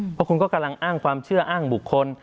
เพราะคุณก็กำลังอ้างความเชื่ออ้างบุคคล